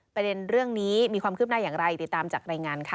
ประเด็นเรื่องนี้มีความคืบหน้าอย่างไรติดตามจากรายงานค่ะ